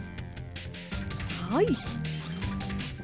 はい。